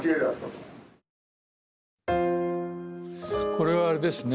これはあれですね